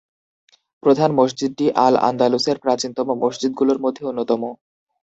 প্রধান মসজিদটি আল-আন্দালুসের প্রাচীনতম মসজিদগুলোর মধ্যে অন্যতম।